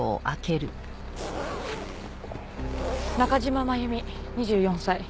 中島真由美２４歳。